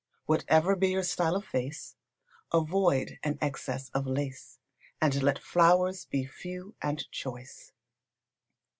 Whatever be your style of face, avoid an excess of lace, and let flowers be few and choice.